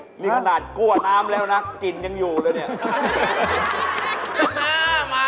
น้ำบ่อยข้าวหนึ่งคำ